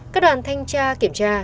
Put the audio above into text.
các đoàn thanh tra kiểm tra